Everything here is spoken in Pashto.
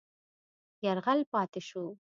یرغل پاتې شو.